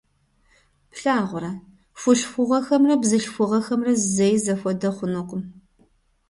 Плъагъурэ, хъулъхугъэхэмрэ бзылъхугъэхэмрэ зэи зэхуэдэ хъунукъым.